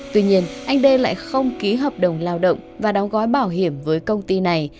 tuy nhiên anh đê lại không ký hợp đồng lao động và đóng gói bảo hiểm với công ty này